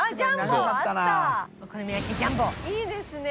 いいですね。